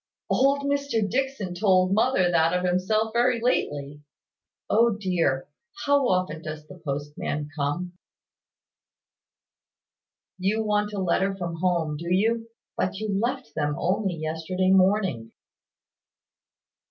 "Old Mr Dixon told mother that of himself, very lately. Oh dear, how often does the postman come?" "You want a letter from home, do you? But you left them only yesterday morning."